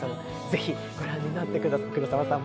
ぜひご覧になってください。